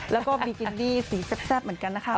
แล้วก็บิกินี่สีแซ่บเหมือนกันนะคะ